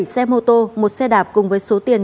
bảy xe mô tô một xe đạp cùng với số tiền